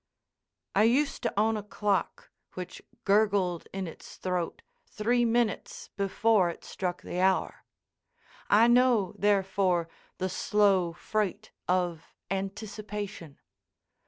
I used to own a clock which gurgled in its throat three minutes before it struck the hour. I know, therefore, the slow freight of Anticipation.